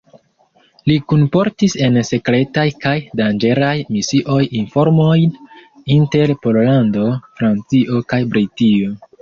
Li kunportis en sekretaj kaj danĝeraj misioj informojn inter Pollando, Francio kaj Britio.